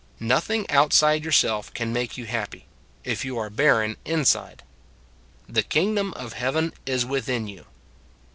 Nothing outside yourself can make you happy, if you are barren inside. " The kingdom of heaven is within you."